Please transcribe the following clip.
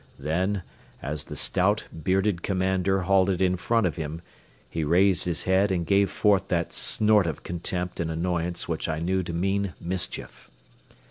Then, as the stout, bearded commander halted in front of him, he raised his head and gave forth that snort of contempt and annoyance which I knew to mean mischief.